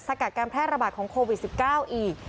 กัดการแพร่ระบาดของโควิด๑๙อีก